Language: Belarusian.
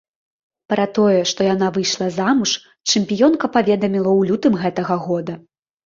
Пра тое, што яна выйшла замуж, чэмпіёнка паведаміла ў лютым гэтага года.